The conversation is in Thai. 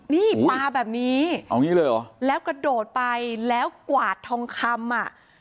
นี่ปลาแบบนี้แล้วกระโดดไปแล้วกวาดทองคำ